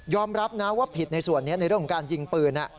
รับนะว่าผิดในส่วนนี้ในเรื่องของการยิงปืน